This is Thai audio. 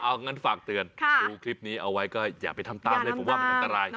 เอางั้นฝากเตือนดูคลิปนี้เอาไว้ก็อย่าไปทำตามเลยผมว่ามันอันตราย